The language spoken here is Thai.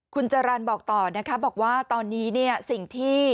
คุณจารันบอกต่อนะครับบอกว่าตอนนี้สิ่งที่